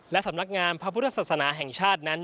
และสำนักงามพระพุทธศาสนาแห่งชาตินั้น